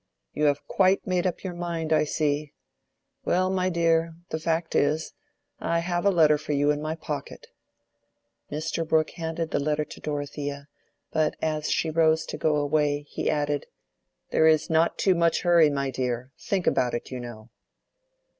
"You have quite made up your mind, I see. Well, my dear, the fact is, I have a letter for you in my pocket." Mr. Brooke handed the letter to Dorothea, but as she rose to go away, he added, "There is not too much hurry, my dear. Think about it, you know."